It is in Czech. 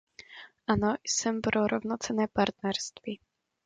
Ano, jsem pro rovnocenné partnerství!